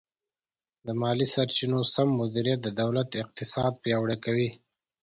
د مالي سرچینو سم مدیریت د دولت اقتصاد پیاوړی کوي.